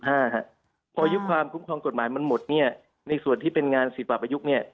พออายุความคุ้มครองในกฎหมายมันหมดในส่วนที่เป็นงานศิษย์ประปรายุกต์